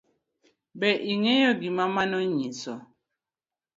Be ing'eyo gima mano nyiso?